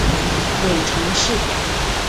母程氏。